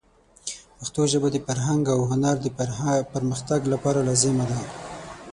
پښتو ژبه د فرهنګ او هنر د پرمختګ لپاره لازمه ده.